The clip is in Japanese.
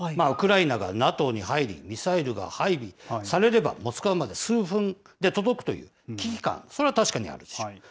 ウクライナがＮＡＴＯに入り、ミサイルが配備されれば、モスクワまで数分で届くという危機感、それは確かにあるでしょう。